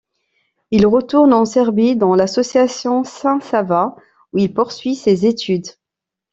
Il retourne en Serbie, dans l'association St Sava, où il poursuit ses études.